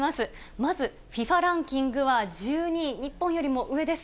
まずＦＩＦＡランキングは１２位、日本よりも上です。